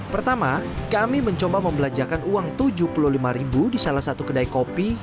pertama kami mencoba membelanjakan uang rp tujuh puluh lima ribu di salah satu kedai kopi